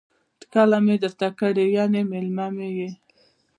ټکله می درته کړې ،یعنی میلمه می يی